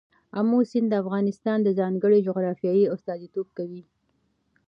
آمو سیند د افغانستان د ځانګړي جغرافیه استازیتوب کوي.